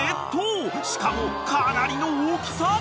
［しかもかなりの大きさ］